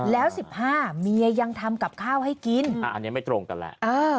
แล้ว๑๕เมียยังทำกับข้าวให้กินอันนี้ไม่ตรงกันแหละ